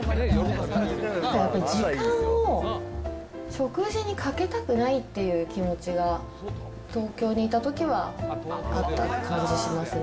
時間を食事にかけたくないっていう気持ちが東京にいたときはあった感じしますね。